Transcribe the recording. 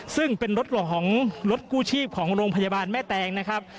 ซึ่งเป็นรถของรถกู้ชีพของโรงพยาบาลแม่แตงนะครับ